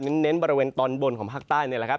นั้นเง้นบริเวณปล่อยบนของหักใต้นี่แหละครับ